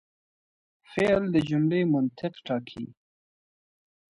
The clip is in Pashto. فعل د جملې منطق ټاکي.